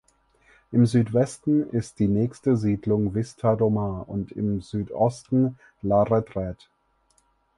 Im Südwesten ist die nächste Siedlung Vista do Mar und im Südosten La Retraite.